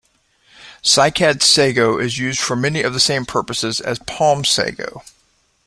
Cycad sago is used for many of the same purposes as palm sago.